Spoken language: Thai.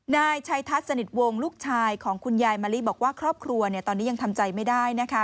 นายชัยทัศน์สนิทวงลูกชายของคุณยายมะลิบอกว่าครอบครัวตอนนี้ยังทำใจไม่ได้นะคะ